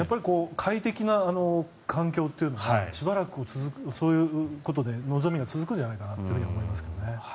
快適な環境というのはしばらくそういうことで望みが続くんじゃないかと思いますね。